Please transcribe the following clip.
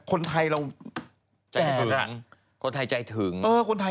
คนไทยเราแจกอ่ะ